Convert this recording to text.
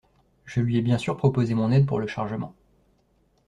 Je lui ai bien sûr proposé mon aide pour le chargement.